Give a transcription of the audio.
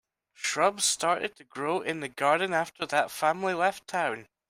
Shrubs started to grow in the garden after that family left town.